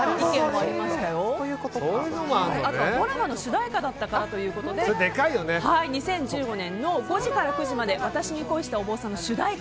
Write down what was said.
あとはドラマの主題歌だったということで、２０１５年の「５９私に恋したお坊さん」の主題歌。